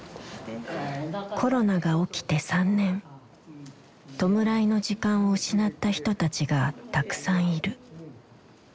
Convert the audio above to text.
コロナが起きて３年弔いの時間を失った人たちがたくさんいる。